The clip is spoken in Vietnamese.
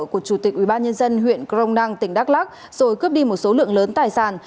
của chủ tịch ubnd huyện crong năng tỉnh đắk lắc rồi cướp đi một số lượng lớn tài sản